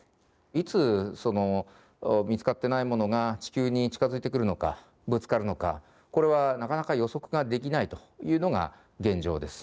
いつ見つかってないものが地球に近づいてくるのかぶつかるのかこれはなかなか予測ができないというのが現状です。